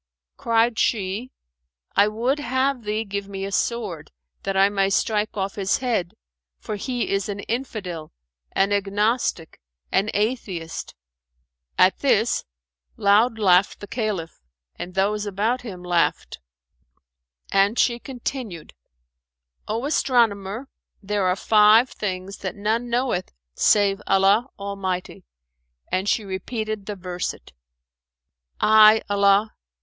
Cried she "I would have thee give me a sword, that I may strike off his head, for he is an Infidel, an Agnostic, an Atheist.[FN#421]" At this, loud laughed the Caliph and those about him laughed, and she continued "O astronomer, there are five things that none knoweth save Allah Almighty;" and she repeated the verset; "'Aye! Allah!